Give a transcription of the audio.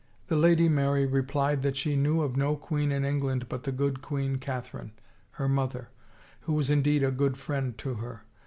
" The Lady Mary replied that she knew of no queen in England but the good Queen Catherine, her mother, who was indeed a good friend to her.